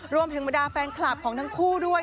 บรรดาแฟนคลับของทั้งคู่ด้วย